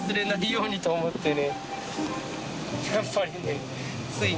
やっぱりねつい